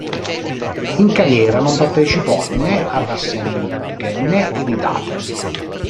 In carriera non partecipò né a rassegne olimpiche né iridate.